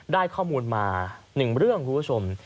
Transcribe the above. ได้ข้อมูลมา๑เรื่องคุณผู้ชม